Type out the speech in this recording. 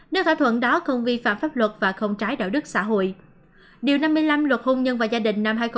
nếu thỏa thuận đó không vi phạm pháp luật và không trái đạo đức xã hội